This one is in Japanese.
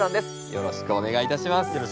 よろしくお願いします。